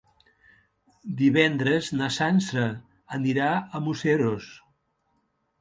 Divendres na Sança anirà a Museros.